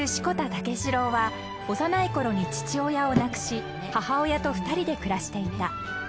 武四郎は幼いころに父親を亡くし母親と２人で暮らしていた］